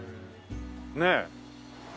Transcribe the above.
ねえ。